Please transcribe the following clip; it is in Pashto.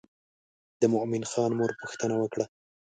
د مومن خان مور پوښتنه وکړه.